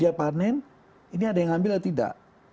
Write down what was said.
dia panen ini ada yang ambil atau tidak